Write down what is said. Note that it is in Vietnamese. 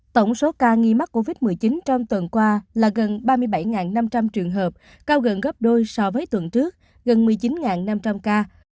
tổng số ca nghi mắc covid một mươi chín trong tuần qua là gần ba mươi bảy năm trăm linh trường hợp cao gần gấp đôi so với tuần trước gần một mươi chín năm trăm linh ca